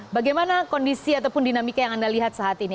bagaimana kondisi ataupun dinamika yang anda lihat saat ini